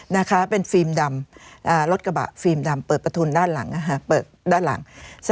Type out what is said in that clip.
นะคะเป็นฟีมดำรถกระบะฟีมดำเปิดประทุนด้านหลัง